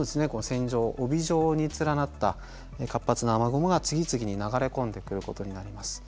線状帯状に連なった活発な雨雲が次々に流れ込んでくることになります。